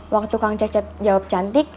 waktu kang cecep jawab cantik